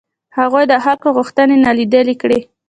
هغوی د خلکو غوښتنې نالیدلې کړې.